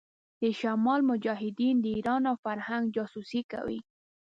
د شمال مجاهدين د ايران او فرنګ جاسوسي کوي.